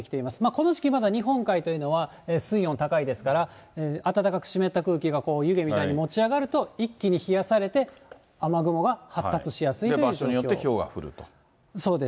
この時期、まだ日本海というのは、水温高いですから、暖かく湿った空気がこう湯気みたいに持ち上がると、一気に冷やされて、場所によってひょうが降ると。